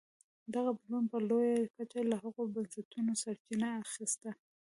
دغه بدلون په لویه کچه له هغو بنسټونو سرچینه اخیسته.